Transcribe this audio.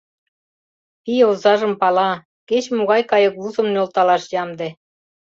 Пий озажым пала, кеч-могай кайыквусым нӧлталаш ямде.